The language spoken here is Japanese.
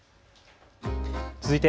続いて＃